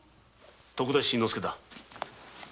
徳田新之助だ。